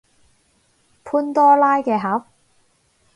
潘多拉嘅盒